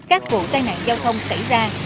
các vụ tai nạn giao thông xảy ra